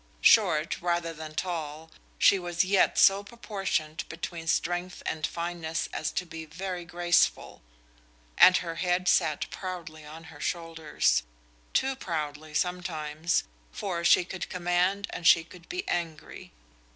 Short, rather than tall, she was yet so proportioned between strength and fineness as to be very graceful, and her head sat proudly on her shoulders too proudly sometimes, for she could command and she could be angry.